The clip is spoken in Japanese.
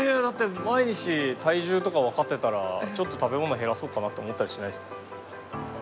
だって毎日体重とか分かってたらちょっと食べ物減らそうかなと思ったりしないですか？